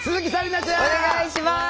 お願いします！